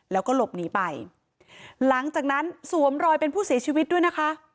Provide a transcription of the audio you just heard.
แล้วก็หลบหนีไปหลังจากนั้นสวมรอยเป็นผู้เสียชีวิตด้วยนะคะ